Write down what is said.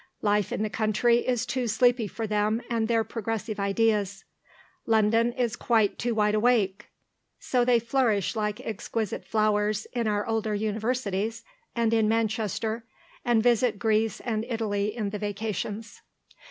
Life in the country is too sleepy for them and their progressive ideas; London is quite too wide awake; so they flourish like exquisite flowers in our older Universities and in Manchester, and visit Greece and Italy in the vacations.